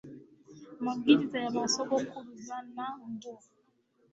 mabwiriza ya ba sokuruza n ngo